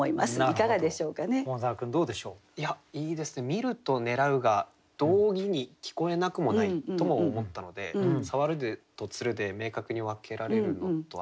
「見る」と「狙う」が同義に聞こえなくもないとも思ったので「触る」と「釣る」で明確に分けられるのと。